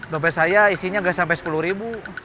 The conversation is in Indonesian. dompet saya isinya gak sampai sepuluh ribu